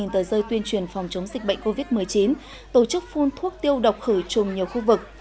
hai tờ rơi tuyên truyền phòng chống dịch bệnh covid một mươi chín tổ chức phun thuốc tiêu độc khử trùng nhiều khu vực